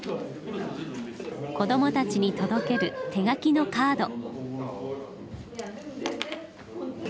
子どもたちに届ける手描きのカード。